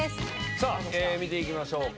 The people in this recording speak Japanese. さあ見ていきましょうか。